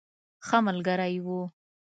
ښه ملګری وو.